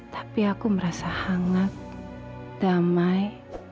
tapi aku merasa hangat damai